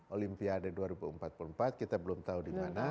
olimpiade dua ribu empat puluh empat kita belum tahu di mana